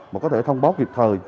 mà có thể thông báo kịp thời